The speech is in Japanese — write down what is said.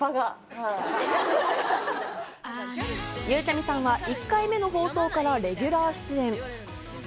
ゆうちゃみさんは１回目の放送からレギュラー出演。